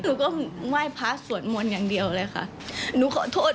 หนูก็ไหว้พระสวดมนต์อย่างเดียวเลยค่ะหนูขอโทษ